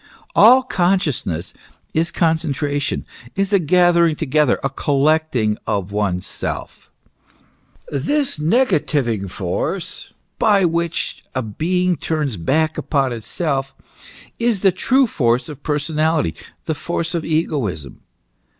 " All consciousness is concentration, is a gathering together, a collecting of oneself. This negativing force by which a being turns back upon itself, is the true force of personality, the force of egoism."